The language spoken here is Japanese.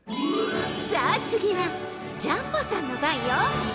［さあ次はジャンボさんの番よ］